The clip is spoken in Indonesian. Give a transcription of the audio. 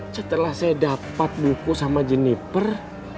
setelah saya dapat buku sama jenniper